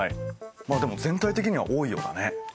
まあでも全体的には多いようだね。